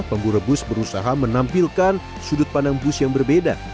pemburu bus berusaha menampilkan sudut pandang bus yang berbeda